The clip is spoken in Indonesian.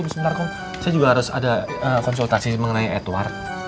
sebentar kok saya juga harus ada konsultasi mengenai edward